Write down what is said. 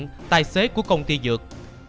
tư diện tài xế của công ty dược